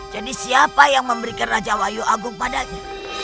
jadi siapa yang memberikan raja wayu agung padanya